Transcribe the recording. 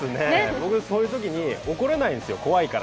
僕、そういうときに怒れないんですよ、怖いから。